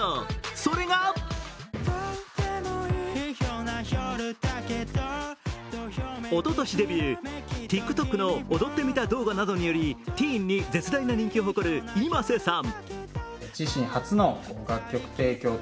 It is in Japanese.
それがおととしデビュー、ＴｉｋＴｏｋの踊ってみた動画などによりティーンに絶大な人気を誇るｉｍａｓｅさん。